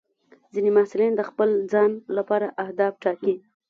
ځینې محصلین د خپل ځان لپاره اهداف ټاکي.